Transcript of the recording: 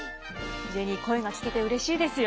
ジェニー声が聞けてうれしいですよ。